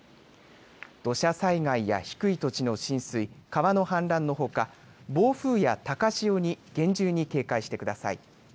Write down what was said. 土砂災害や低い土地の浸水、川の氾濫のほか暴風や高潮に厳重に警戒してください。